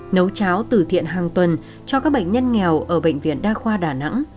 nấu cháo tử thiện hàng tuần cho các bệnh nhân nghèo ở bệnh viện đa khoa đà nẵng